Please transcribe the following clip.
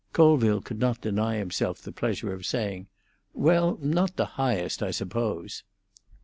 Colville could not deny himself the pleasure of saying, "Well, not the highest, I suppose."